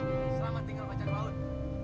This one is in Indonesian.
selamat tinggal pacar laut